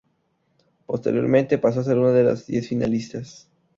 Posteriormente pasó a ser una de las diez finalistas.